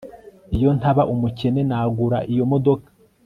Iyo ntaba umukene nagura iyo modoka